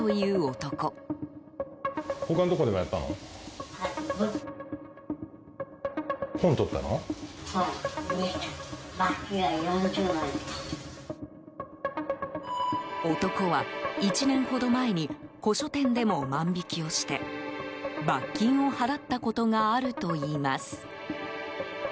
男は１年ほど前に古書店でも万引きをして罰金を払ったことがあるといいます。